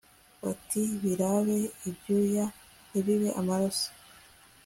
bati «birabe ibyuya ntibibe amaraso»